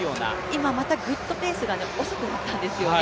今、ぐっとペースが遅くなったんですよね。